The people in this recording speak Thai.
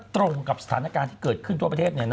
ตรงกับสถานการณ์ที่เกิดขึ้นทั่วประเทศ